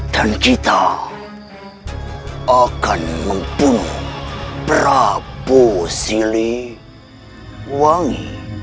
dan kita akan membunuh prabu siliwangi